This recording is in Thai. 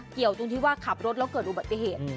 เกี่ยวตรงที่ว่าขับรถแล้วเกิดอุบัติเหตุ